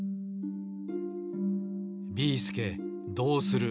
ビーすけどうする！？